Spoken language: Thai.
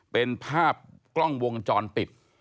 เป็นภาพกล้องวงจรปิด